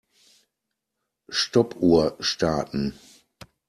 Stoppuhr starten.